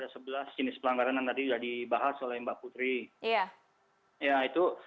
jadi kita tetapkan ada sebelas jenis pelanggaran yang tadi sudah dibahas oleh mbak putri